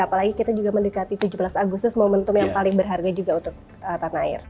apalagi kita juga mendekati tujuh belas agustus momentum yang paling berharga juga untuk tanah air